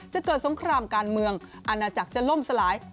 จะเกิดสงครามการเมืองอาณาจักรจะล่มสลาย